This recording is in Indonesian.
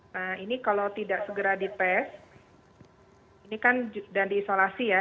nah ini kalau tidak segera dites ini kan sudah diisolasi ya